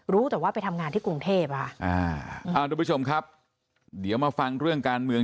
รู้แต่ว่าไปทำงานที่กรุงเทพค่ะอ่าทุกผู้ชมครับเดี๋ยวมาฟังเรื่องการเมือง